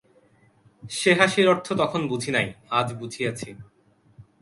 সে হাসির অর্থ তখন বুঝি নাই, আজ বুঝিয়াছি।